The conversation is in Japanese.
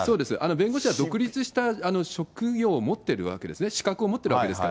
弁護士は独立した職業を持っているわけですね、資格を持ってるわけですから。